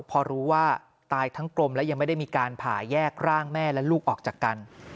พอรู้ว่าตายทั้งกลมและยังไม่ได้มีการผ่าแยกร่างแม่และลูกออกจากกัน